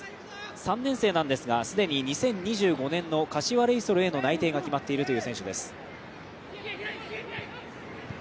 ３年生ですが、既に２０２５年の柏レイソルでの内定が決まっているという選手です。